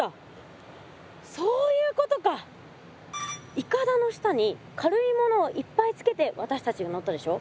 いかだの下に軽いものをいっぱいつけて私たちが乗ったでしょ。